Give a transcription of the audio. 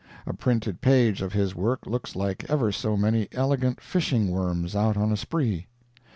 A printed page of his work looks like ever so many elegant fishing worms out on a spree.